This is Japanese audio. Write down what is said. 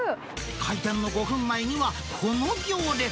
開店の５分前には、この行列。